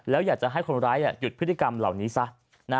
แล้วอยากจะให้คนร้ายหยุดพฤติกรรมเหล่านี้ซะ